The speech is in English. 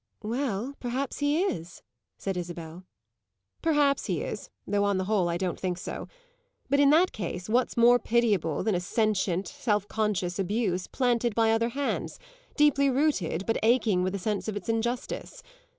"Well, perhaps he is," said Isabel. "Perhaps he is though on the whole I don't think so. But in that case what's more pitiable than a sentient, self conscious abuse planted by other hands, deeply rooted but aching with a sense of its injustice?